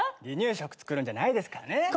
離乳食作るんじゃないですからね。